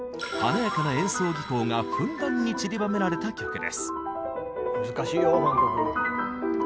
華やかな演奏技巧がふんだんにちりばめられた曲です。